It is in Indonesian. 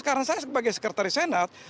karena saya sebagai sekretari senat